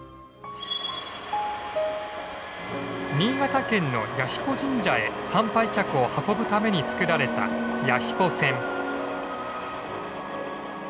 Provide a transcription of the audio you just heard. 新潟県の彌彦神社へ参拝客を運ぶために作られた弥彦線。